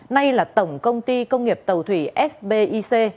nay là tổng công ty công nghiệp tàu thủy sbic